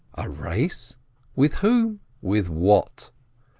A race? With whom? With what?